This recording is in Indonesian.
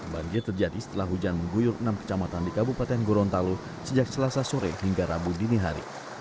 banjir terjadi setelah hujan mengguyur enam kecamatan di kabupaten gorontalo sejak selasa sore hingga rabu dini hari